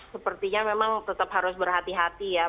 sepertinya memang tetap harus berhati hati ya